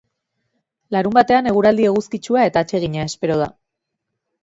Larunbatean eguraldi eguzkitsua eta atsegina espero da.